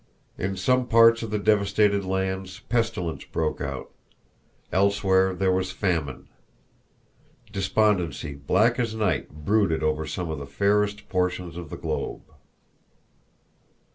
In some parts of the devastated lands pestilence broke out; elsewhere there was famine. Despondency black as night brooded over some of the fairest portions of the globe.